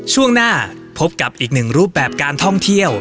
ช่วงหน้าพบกับอีกหนึ่งรูปแบบการท่องเที่ยว